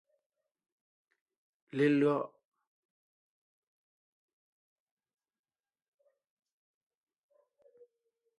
Lelÿɔ’.